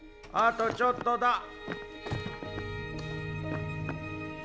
あとちょっとだ。